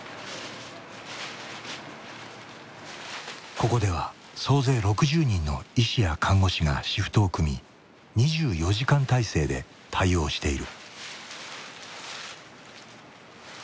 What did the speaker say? ここでは総勢６０人の医師や看護師がシフトを組み２４時間体制で対応している。